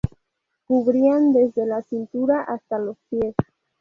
Cubrían desde la cintura hasta los pies.